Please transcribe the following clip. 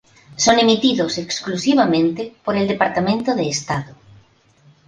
Son emitidos exclusivamente por el Departamento de Estado.